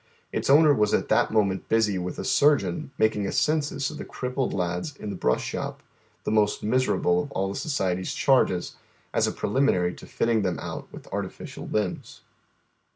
Its owner was at that moment busy with a surgeon mak ing a census of the crippled lads in the brush shop, the most miserable of ail the Society's charges, as a prelim inary to fitting them out with artificial limbs.